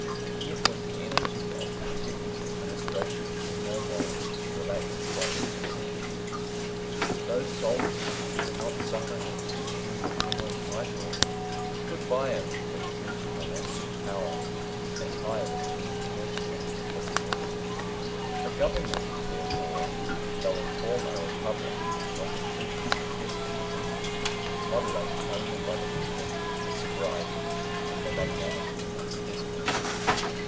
Yet was the energy of the Protector's administration in nowise relaxed by these dissensions. Those soldiers who would not suffer him to assume the kingly title stood by him when he ventured on acts of power, as high as any English King has ever attempted. The government, therefore, though in form a republic, was in truth a despotism, moderated only by the wisdom, the sobriety, and the magnanimity of the despot.